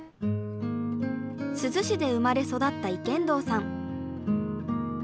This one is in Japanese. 珠洲市で生まれ育った池筒さん。